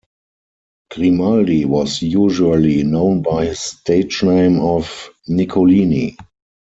Grimaldi was usually known by his stage name of Nicolini.